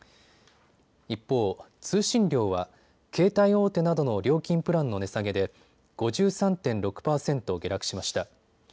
一方、通信料は携帯大手などの料金プランの値下げで５３．６％下落しました。